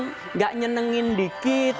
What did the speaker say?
tidak menyenangkan sedikit